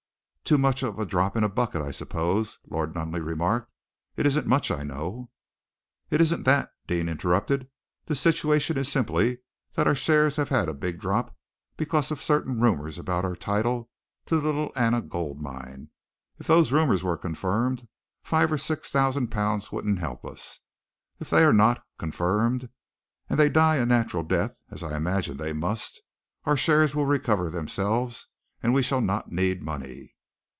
"Too much of a drop in the bucket, I suppose," Lord Nunneley remarked. "It isn't much, I know." "It isn't that," Deane interrupted. "The situation is simply that our shares have had a big drop because of certain rumors about our title to the Little Anna Gold Mine. If those rumors were confirmed, five or six hundred thousand pounds wouldn't help us. If they are not confirmed, and if they die a natural death, as I imagine they must, our shares will recover themselves and we shall not need money."